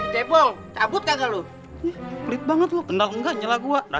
duit gue lenyap sekejap ya allah